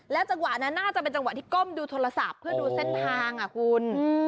จังหวะนั้นน่าจะเป็นจังหวะที่ก้มดูโทรศัพท์เพื่อดูเส้นทางคุณ